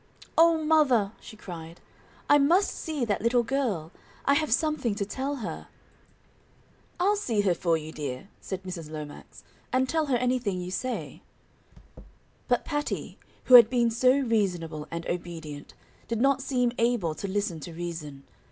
"Oh, mother!" she cried, "I must see that little girl; I have something to tell her." "I'll see her for you, dear," said Mrs. Lomax, "and tell her anything you say." But Patty, who had been so reasonable and obedient, did not seem able to listen to reason.